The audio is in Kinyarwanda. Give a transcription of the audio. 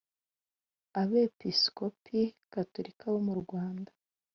Abepisikopi Gatolika bo mu Rwanda